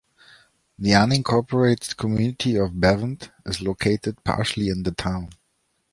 The unincorporated community of Bevent is located partially in the town.